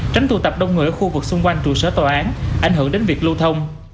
tránh tụ tập đông người ở khu vực xung quanh trụ sở tòa án ảnh hưởng đến việc lưu thông